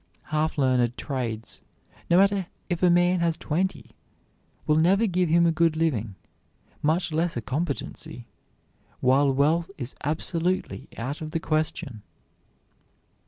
Half learned trades, no matter if a man has twenty, will never give him a good living, much less a competency, while wealth is absolutely out of the question.